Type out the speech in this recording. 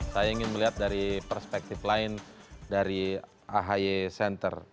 saya ingin melihat dari perspektif lain dari ahi center